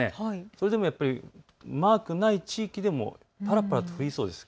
それでもマークにない地域でもぱらぱらと降りそうです。